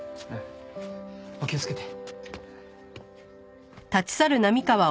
お気をつけて。